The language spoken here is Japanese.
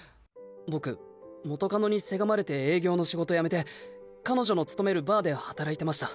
僕元カノにせがまれて営業の仕事辞めて彼女の勤めるバーで働いてました。